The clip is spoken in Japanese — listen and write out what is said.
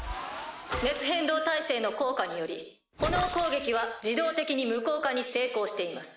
熱変動耐性の効果により炎攻撃は自動的に無効化に成功しています。